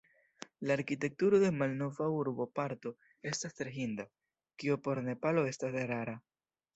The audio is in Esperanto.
La arkitekturo de la malnova urboparto estas tre hinda, kio por Nepalo estas rara.